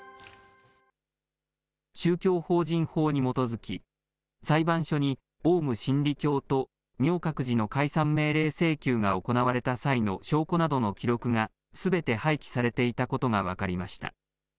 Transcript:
宗教法人法に基づき、裁判所にオウム真理教と明覚寺の解散命令請求が行われた際の証拠などの記録が、すべて廃棄されていたことが分かりました。